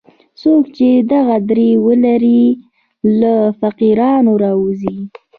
څوک چې دغه درې ولري له فقیرانو راووځي.